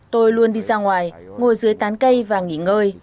tôi luôn đi ra ngoài ngồi dưới tán cây và nghỉ ngơi